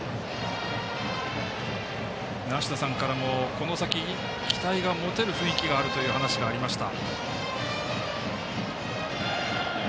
梨田さんからも、この先期待が持てる雰囲気があるという話がありました。